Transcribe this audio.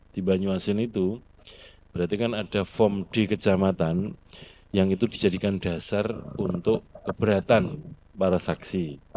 di banyuasin itu berarti kan ada form di kecamatan yang itu dijadikan dasar untuk keberatan para saksi